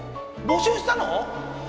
募集したの？